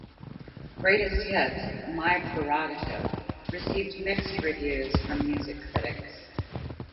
"Greatest Hits: My Prerogative" received mixed reviews from music critics.